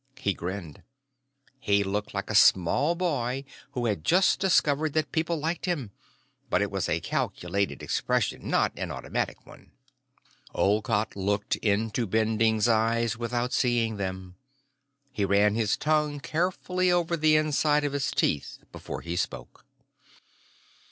He grinned. He looked like a small boy who had just discovered that people liked him; but it was a calculated expression, not an automatic one. Olcott looked into Bending's eyes without seeing them. He ran his tongue carefully over the inside of his teeth before he spoke.